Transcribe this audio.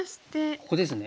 ここですね。